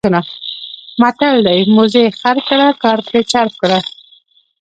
متل دی: موزي خر کړه کار پرې چرب کړه.